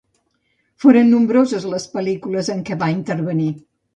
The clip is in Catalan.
Foren nombroses les pel·lícules en què va intervenir.